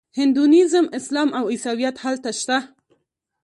هندویزم اسلام او عیسویت هلته شته.